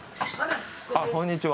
あっこんにちは。